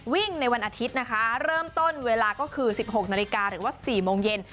วิ่งในวันอาทิตย์นะคะเริ่มต้นเวลาก็คือ๑๖นาฬิกาหรือว่า๔โมงเย็น